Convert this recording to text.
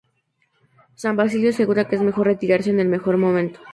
San Basilio asegura que es mejor retirarse en el mejor momento.